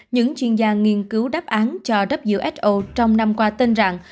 những chuyên gia nghiên cứu đáp án cho who trong năm qua tên rằng